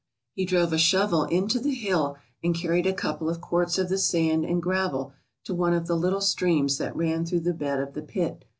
He drove a shovel into the hill and carried a couple of quarts of the sand and gravel to one of the little streams that ran through the bed of the pit.